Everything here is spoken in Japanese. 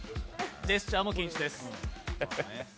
ジェスチャーも禁止です。